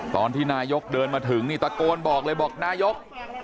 ตอนที่นายกเดินมาถึงนี่ตะโกนบอกเลยบอกนายก